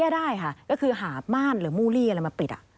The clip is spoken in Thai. ได้ค่ะก็คือหาม่านหรือมูลลี่อะไรมาปิด